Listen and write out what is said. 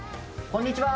こんにちは。